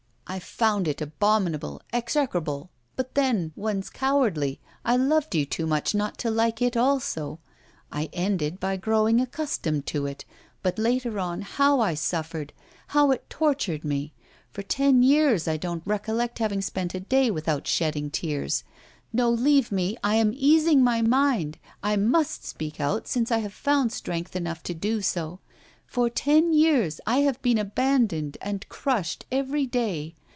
I found it abominable, execrable; but then, one's cowardly, I loved you too much not to like it also; I ended by growing accustomed to it! But later on, how I suffered! how it tortured me! For ten years I don't recollect having spent a day without shedding tears. No, leave me! I am easing my mind, I must speak out, since I have found strength enough to do so. For ten years I have been abandoned and crushed every day.